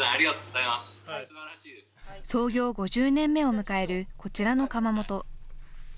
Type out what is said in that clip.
創業５０年目を迎えるこちらの窯元。